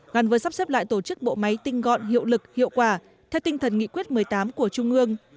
gắn với sắp xếp lại tổ chức bộ máy tinh gọn hiệu lực hiệu quả theo tinh thần nghị quyết một mươi tám của trung ương